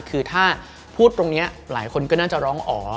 คือถ้าพูดตรงนี้หลายคนก็น่าจะร้องอ๋อ